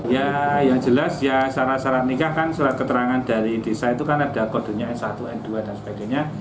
ya yang jelas ya syarat syarat nikah kan surat keterangan dari desa itu kan ada kodenya s satu n dua dan sebagainya